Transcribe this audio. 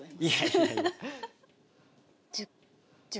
いやいや。